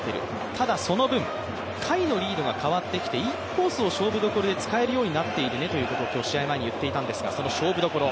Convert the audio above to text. ただその分、甲斐のリードが変わってきてインコースを勝負所で使えるようになっているねということを今日、試合前に言っていたんですがその勝負どころ。